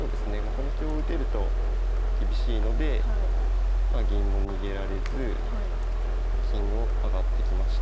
この香を打てると厳しいのでまあ銀も逃げられず金を上がってきました。